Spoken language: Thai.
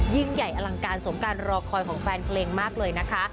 ยิ่งใหญ่อลังการสมการรอคอยของแฟนเพลงมากเลยนะคะ